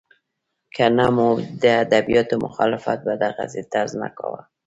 که نه مو د ادبیاتو مخالفت په دغسې طرز نه کاوه.